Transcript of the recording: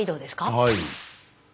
はい。